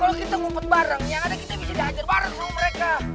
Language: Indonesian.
kalau kita ngumput bareng yang ada kita bisa diajar bareng sama mereka